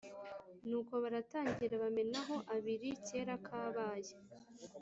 nuko baratangira bamenaho abiri kera kabaye